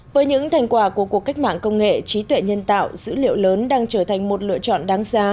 với những thành quả của cuộc cách mạng công nghệ trí tuệ nhân tạo dữ liệu lớn đang trở thành một lựa chọn đáng giá